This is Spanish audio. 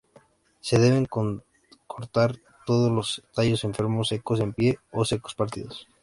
Se deben cortar todos los tallos enfermos, secos en pie o secos partidos.